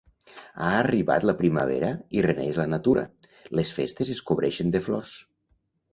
Ha arribat la primavera i renaix la natura: les festes es cobreixen de flors.